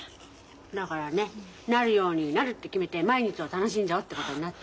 だからねなるようになるって決めて毎日を楽しんじゃおうってことになった。